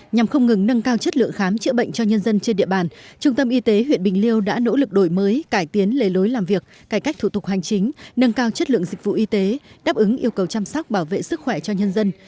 nhằm không ngừng nâng cao chất lượng khám chữa bệnh cho nhân dân trên địa bàn trung tâm y tế huyện bình liêu đã nỗ lực đổi mới cải tiến lề lối làm việc cải cách thủ tục hành chính nâng cao chất lượng dịch vụ y tế đáp ứng yêu cầu chăm sóc bảo vệ sức khỏe cho nhân dân